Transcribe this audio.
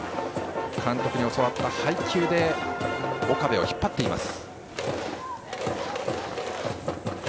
監督に教わった配球で岡部を引っ張っています。